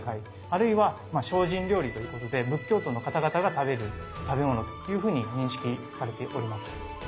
あるいは精進料理ということで仏教徒の方々が食べる食べ物というふうに認識されております。